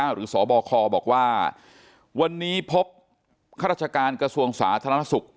หรือสบคบอกว่าวันนี้พบข้าราชการกระทรวงศาสตร์ธนสุข